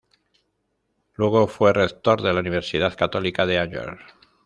Luego fue rector de la Universidad Católica de Angers.